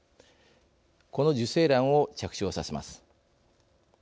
この受精卵を着床させます。